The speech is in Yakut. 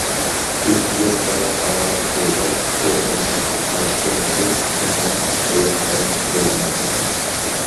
үс биэрэстэлээх алаас куула тыатын саҕатыттан төбөтүн, иһин, туйахтарын булан ылбыт